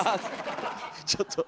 ちょっと。